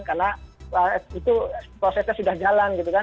karena itu prosesnya sudah jalan